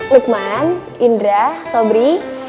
lukman indra sombri